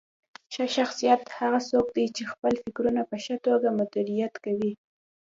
ښه شخصیت هغه څوک دی چې خپل فکرونه په ښه توګه مدیریت کوي.